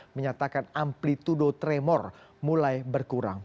menyatakan amplitudo tremor mulai berkurang